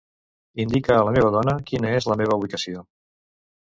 Indica a la meva dona quina és la meva ubicació.